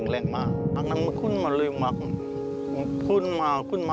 พังมันมาขึ้นมาขึ้นมาขึ้นมา